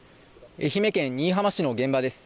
愛媛県新居浜市の現場です。